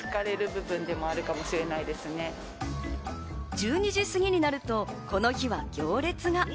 １２時すぎになるとこの日は行列が。